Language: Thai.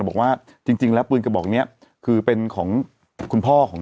บอกว่าจริงแล้วปืนกระบอกเนี้ยคือเป็นของคุณพ่อของ